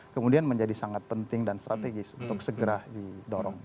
kemudian menjadi sangat penting dan strategis untuk segera didorong